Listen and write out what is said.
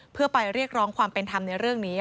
เพื่อไปเรียกร้องความเป็นธรรมในเรื่องนี้